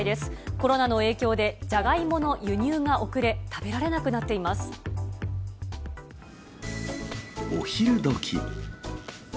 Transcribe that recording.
コロナの影響でじゃがいもの輸入が遅れ、食べられなくなっていまお昼どき。